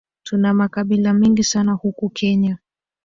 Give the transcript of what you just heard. Tuna makabila mengi sana huku Kenya